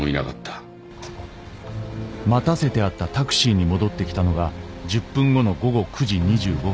待たせてあったタクシーに戻ってきたのが１０分後の午後９時２５分。